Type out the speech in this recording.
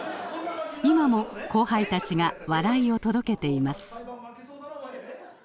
今も後輩たちが笑いを届けています。